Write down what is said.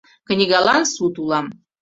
Книгалан сут улам